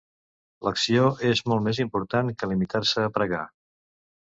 L'acció és molt més important que limitar-se a pregar.